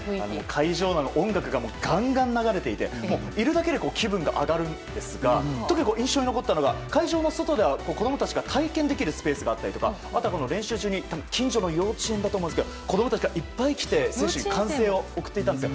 会場の音楽がガンガン流れていているだけで気分が上がるんですが特に印象に残ったのが会場の外で、子供たちが体験できるスペースがあったり練習中に近所の幼稚園だと思うんですけど子供たちがいっぱい来て選手に歓声を送っていたんです。